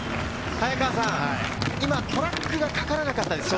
今、トラックがかからなかったですか？